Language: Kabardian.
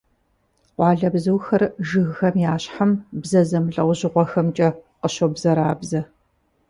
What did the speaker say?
Къуалэбзухэр жыгхэм я щхьэм бзэ зэмылӀэужьыгъуэхэмкӀэ къыщобзэрабзэ.